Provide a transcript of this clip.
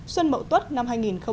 xuân mậu tuất năm hai nghìn một mươi tám